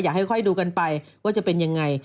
อยากให้ค่อยดูกันไปว่าจะเป็นยังไง